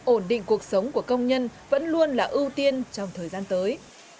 ổn định cuộc sống của công nhân vẫn luôn là ưu tiên trong thời gian tới